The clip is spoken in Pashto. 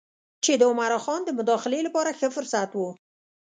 چې د عمرا خان د مداخلې لپاره ښه فرصت و.